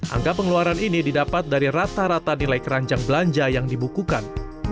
angka pengeluaran ini didapat dari rata rata nilai keranjang belanja yang dibukukan